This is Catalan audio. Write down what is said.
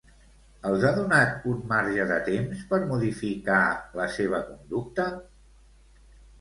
Els ha donat un marge de temps per modificar la seva conducta?